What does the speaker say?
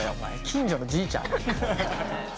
近所のじいちゃん？